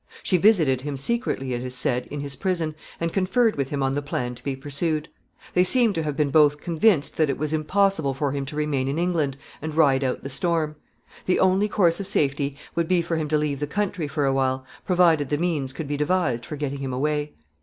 She visited him secretly, it is said, in his prison, and conferred with him on the plan to be pursued. They seem to have been both convinced that it was impossible for him to remain in England and ride out the storm. The only course of safety would be for him to leave the country for a while, provided the means could be devised for getting him away.